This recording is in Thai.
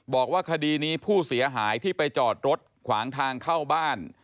บอกว่าคดีนี้ผู้เสียหายที่ไปจอดรถขวางทางเข้าบ้าน